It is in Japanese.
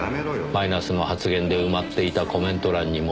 マイナスの発言で埋まっていたコメント欄にも。